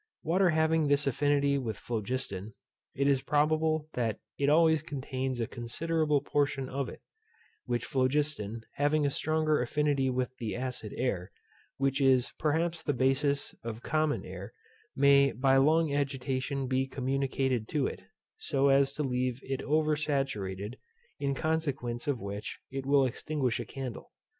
Water having this affinity with phlogiston, it is probable that it always contains a considerable portion of it; which phlogiston having a stronger affinity with the acid air, which is perhaps the basis of common air, may by long agitation be communicated to it, so as to leave it over saturated, in consequence of which it will extinguish a candle.